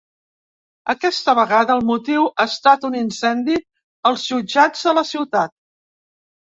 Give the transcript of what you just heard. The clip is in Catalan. Aquesta vegada el motiu ha estat un incendi als jutjats de la ciutat.